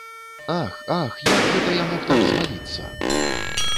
Ах, ах, як гэта я мог так зваліцца!